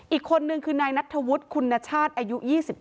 อีกคนนึงคือนายนัทธวุฒิคุณชาติอายุ๒๙